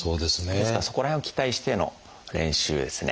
ですからそこら辺を期待しての練習ですね。